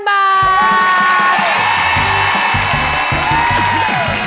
ขอบคุณครับ